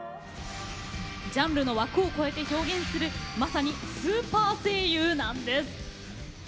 ジャンルの枠を超えて表現するまさにスーパー声優なんです。